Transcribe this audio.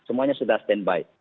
semuanya sudah standby